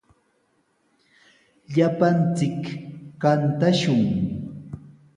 Llapanchik kantashun.